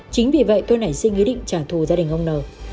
chính vì vậy tôi nảy sinh ý định trả thù gia đình ông nờ